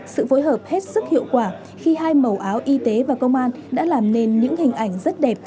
sự phối hợp hết sức hiệu quả khi hai màu áo y tế và công an đã làm nên những hình ảnh rất đẹp